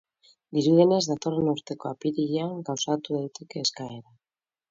Dirudienez, datorren urteko apirilean gauzatu daiteke eskaera.